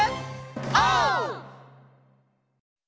オー！